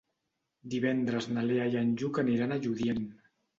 Divendres na Lea i en Lluc aniran a Lludient.